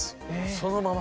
そのまま。